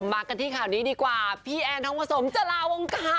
มากันที่ข่าวนี้ดีกว่าพี่แอนทองผสมจะลาวงการ